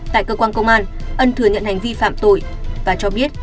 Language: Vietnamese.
tại cơ quan công an ân thừa nhận hành vi phạm tội và cho biết